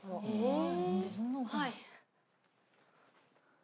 はい。